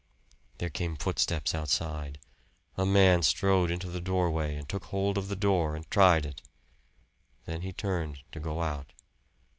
There came footsteps outside. A man strode into the doorway and took hold of the door and tried it. Then he turned to go out.